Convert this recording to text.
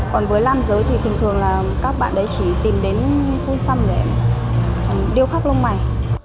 còn với làm giới thì thường thường là các bạn ấy chỉ tìm đến phun xăm để điêu khắp lông mày